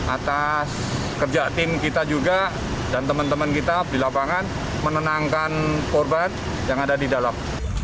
atas kerja tim kita juga dan teman teman kita di lapangan menenangkan korban yang ada di dalam